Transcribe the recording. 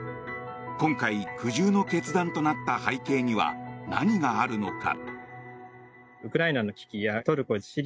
今回、苦渋の決断となった背景には何があるのか。